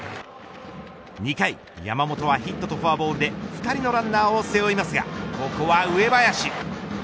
２回、山本はヒットとフォアボールで２人のランナーを背負いますがここは上林。